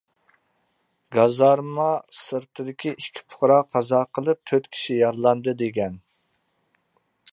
گازارما سىرتىدىكى ئىككى پۇقرا قازا قىلىپ، تۆت كىشى يارىلاندى، دېگەن.